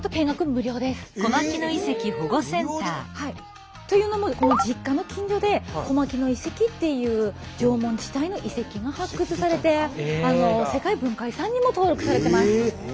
無料で？というのも実家の近所で「小牧野遺跡」っていう縄文時代の遺跡が発掘されて世界文化遺産にも登録されてます。